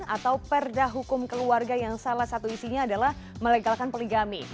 atau perda hukum keluarga yang salah satu isinya adalah melegalkan poligami